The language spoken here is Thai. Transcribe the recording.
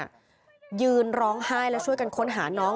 อาจถึงร้องไห้และช่วยค้นหาน้อง